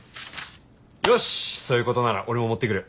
よしそういうことなら俺も持ってくる。